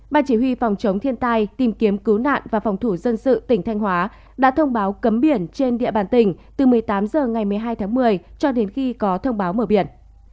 ban chỉ huy phòng chống thiên tai tìm kiếm cứu nạn và phòng thủ dân sự tỉnh thanh hóa đã thông báo cấm biển trên địa bàn tỉnh từ một mươi tám h ngày một mươi hai tháng một mươi cho đến khi có thông báo mở biển